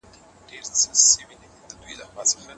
هره ټولنه خپل ځانګړي ارزښتونه لري.